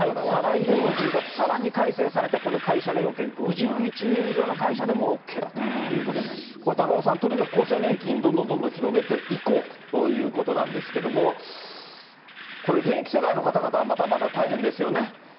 再来年の１０月、さらに改正されて、この会社の要件５１人以上の会社でもＯＫだとこれ高岡さん、とにかく厚生年金、どんどんどんどん広げていこうということなんですけれども、これ、現役世代の方々はまたまた大変ですよね。